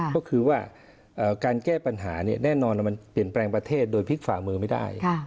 ก็คือว่าการแก้ปัญหาแน่นอนมันเปลี่ยนแปลงประเทศโดยพลิกฝ่ามือไม่ได้